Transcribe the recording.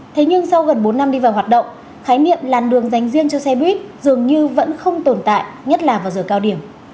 thế nhưng sau gần bốn năm đi vào hoạt động khái niệm làn đường dành riêng cho xe buýt dường như vẫn không tồn tại nhất là vào giờ cao điểm